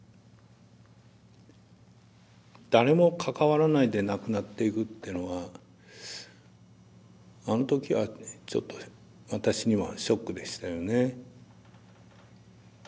誰も関わらないで亡くなっていくっていうのはあの時はちょっと私にはショックでしたよね。